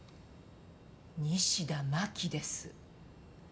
西田真紀です。